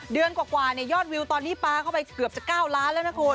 เดือนกว่ายอดวิวตอนนี้ปลาเข้าไปเกือบจะ๙ล้านแล้วนะคุณ